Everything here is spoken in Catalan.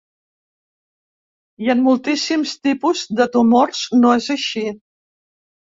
I en moltíssims tipus de tumors no és així.